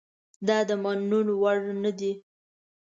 دا د منلو وړ نه دي.